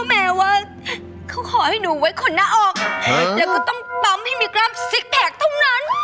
แล้วก็ต้องปั๊มให้กล้ามศิกด์แผกก์ทั้งนั้น